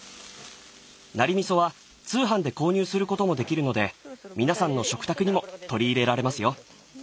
ナリ味噌は通販で購入することもできるので皆さんの食卓にも取り入れられますよ。